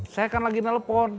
saya kan lagi telepon